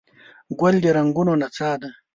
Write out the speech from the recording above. ګل د رنګونو نڅا ده.